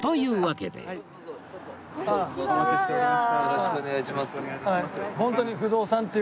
よろしくお願いします。